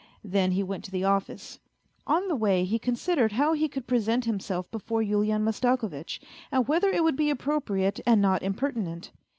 Then he went to the office. On the way he considered how he could present himself before Yulian Mastakovitch, and whether it would be appropriate and not impertinent.